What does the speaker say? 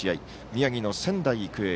宮城の仙台育英